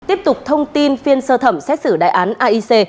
tiếp tục thông tin phiên sơ thẩm xét xử đại án aic